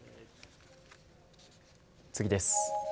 次です。